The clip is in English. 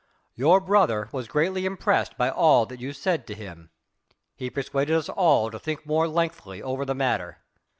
Your brother was greatly impressed by all that you said to him. He persuaded us all to think more lengthily over the matter.